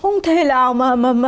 không thể nào mà